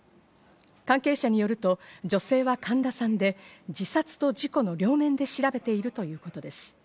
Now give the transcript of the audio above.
関係者によると、女性は神田さんで、自殺と事故の両面で調べているということです。